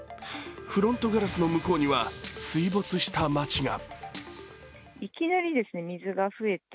フロントガラスの向こうには水没した街が。